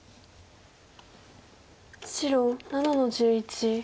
白７の十一。